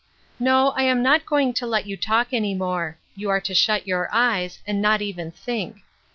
No, I am not going to let you talk any more ; you are to shut your eyes, and not even think.